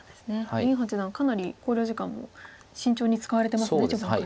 林八段かなり考慮時間を慎重に使われてますね序盤から。